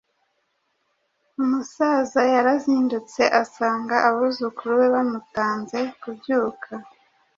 Umusaza yarazindutse asanga abuzukuru be bamutanze kubyuka!